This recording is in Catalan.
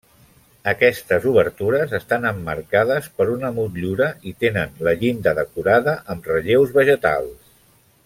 Aquestes obertures estan emmarcades per una motllura i tenen la llinda decorada amb relleus vegetals.